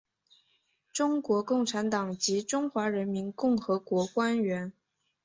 中国共产党及中华人民共和国官员。